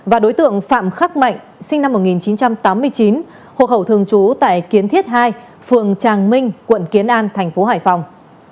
và đối tượng phạm khắc mạnh sinh năm một nghìn chín trăm tám mươi chín hộ khẩu thường trú tại kiến thiết hai phường tràng minh quận kiến an thành phố hải phòng